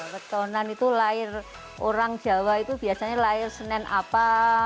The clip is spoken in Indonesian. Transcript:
petonan itu lahir orang jawa itu biasanya lahir senen apa